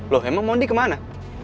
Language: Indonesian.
loh emang mondi kemana